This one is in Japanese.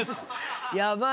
やばい。